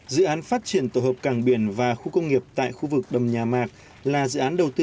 dự án phát triển tổ hợp cảng biển và khu công nghiệp tại khu vực đầm nhà mạc là dự án đầu tư